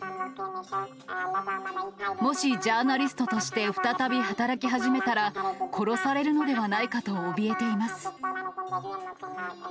もしジャーナリストとして再び働き始めたら、殺されるのではないかとおびえています。